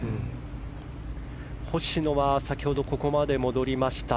星野は先ほどここまで戻りました。